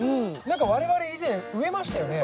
なんか我々以前植えましたよね？